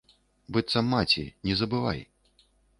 Быццам маці, не забывай.